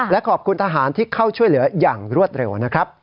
และขอบคุณทหารที่เข้าช่วยเหลืออย่างรวดเร็วนะครับ